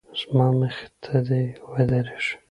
زما مخې ته دې ودرېږي.